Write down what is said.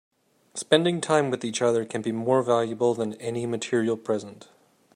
Spending time with each other can be more valuable than any material present.